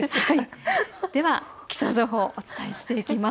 では気象の情報お伝えしていきます。